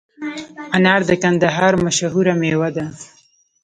انار د کندهار مشهوره مېوه ده